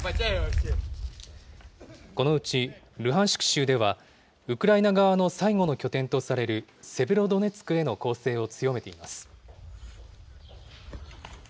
このうちルハンシク州では、ウクライナ側の最後の拠点とされるセベロドネツクへの攻勢を強めています。